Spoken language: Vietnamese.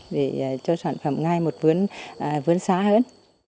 để cho sản phẩm ngay một vướng xã hơn